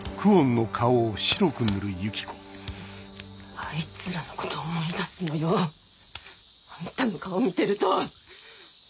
あいつらのこと思い出すのよあんたの顔見てると！